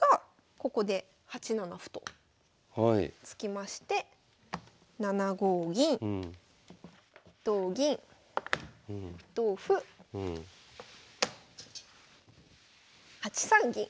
ここで８七歩と突きまして７五銀同銀同歩８三銀。